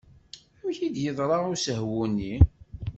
Amek i d-yeḍra usehwu-nni?